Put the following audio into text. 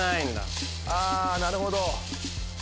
あなるほど。